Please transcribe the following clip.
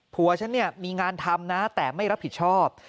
ผัวฉันเนี่ยมีงานทำนะแต่ไม่รับผิดชอบ